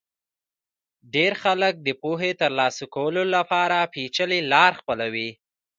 ډېر خلک د پوهې ترلاسه کولو لپاره پېچلې لار خپلوي.